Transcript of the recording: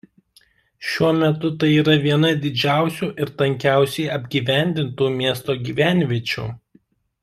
Šiuo metu tai yra viena didžiausių ir tankiausiai apgyvendintų miesto gyvenviečių.